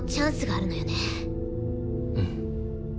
うん。